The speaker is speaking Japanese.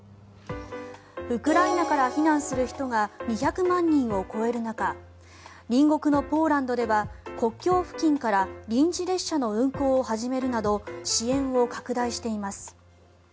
ウクライナから避難する人が２００万人を超える中隣国のポーランドでは国境付近から臨時列車の運行を始めるなど支援を拡大しています。